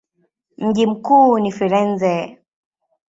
Mji mkuu ni Firenze.